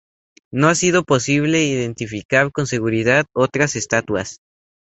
No ha sido posible identificar con seguridad otras estatuas.